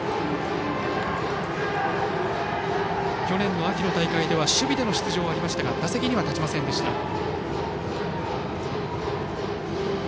去年の秋の大会では守備での出場はありましたが打席には立ちませんでした。